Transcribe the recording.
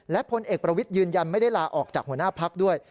และพลเอกประวิทย์ยืนยันไม่ได้ลาออกจากหัวหน้าพักด้วย